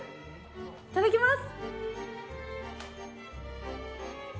いただきます。